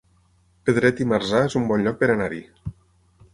Pedret i Marzà es un bon lloc per anar-hi